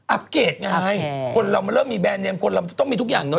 อปเกตไงคนเรามันเริ่มมีแบรนเนมคนเราจะต้องมีทุกอย่างเนอ